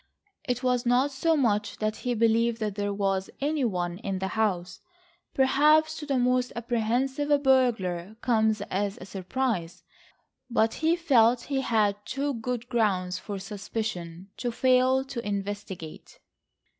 It was not so much that he believed that there was any one in the house—perhaps to the most apprehensive a burglar comes as a surprise—but he felt he had too good grounds for suspicion to fail to investigate.